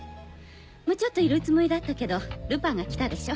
もうちょっといるつもりだったけどルパンが来たでしょ？